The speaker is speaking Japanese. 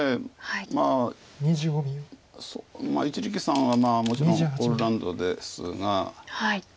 まあ一力さんはもちろんオールラウンドですが。